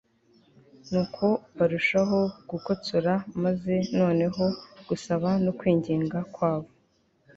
Nuko barushaho gukotsora maze noneho gusaba no kwinginga kwabo